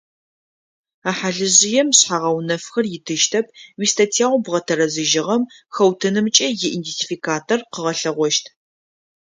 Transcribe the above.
А хьалыжъыем шъхьэ-гъэунэфхэр итыщтэп, уистатьяу бгъэтэрэзыжьыгъэм хэутынымкӏэ иидентификатор къыгъэлъэгъощт.